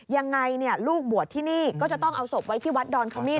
ยังไงลูกบวชที่นี่ก็จะต้องเอาศพไว้ที่วัดดอนขมิ้น